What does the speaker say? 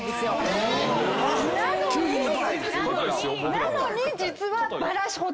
なのに実は。